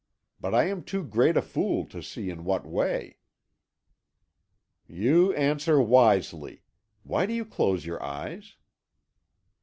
But I am too great a fool to see in what way." "You answer wisely. Why do you close your eyes?"